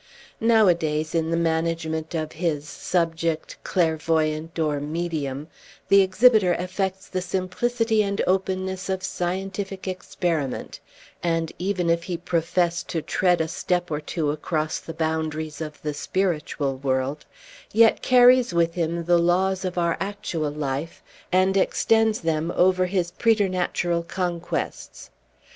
Nowadays, in the management of his "subject," "clairvoyant," or "medium," the exhibitor affects the simplicity and openness of scientific experiment; and even if he profess to tread a step or two across the boundaries of the spiritual world, yet carries with him the laws of our actual life and extends them over his preternatural conquests.